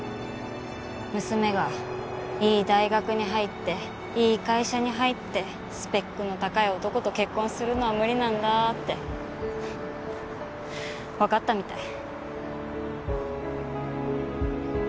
娘がいい大学に入っていい会社に入ってスペックの高い男と結婚するのは無理なんだってわかったみたい。